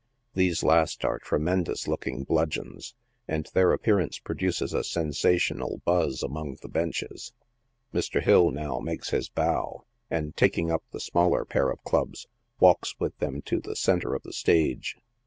These last are tremen dous looking bludgeons, and their appearance produces a sensa tional buzz among the benches. Mr. Hill now makes his bow, and, taking up the smaller pair of clubs, walks with them to the centre of the stage.